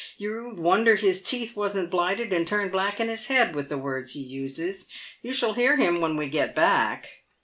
You'd wonder his teeth wasn't blighted and turned black in his head with the words he uses. You shall hear him when we get back."